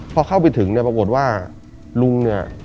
พอเข้าไปถึงเนี่ยปรากฏว่าลุงเนี่ย